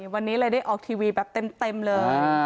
วันนี้เลยได้ออกทีวีแบบเต็มเลย